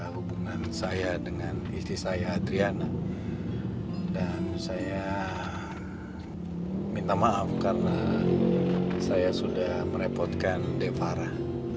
hubungan saya dengan istri saya adriana dan saya minta maaf karena saya sudah merepotkan devara